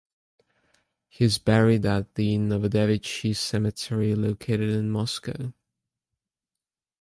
He is buried at the Novodevichy Cemetery located in Moscow.